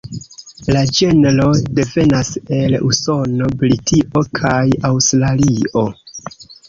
La ĝenro devenas el Usono, Britio, kaj Aŭstralio.